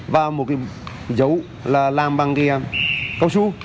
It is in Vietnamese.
và một cái dấu là làm bằng cái cao su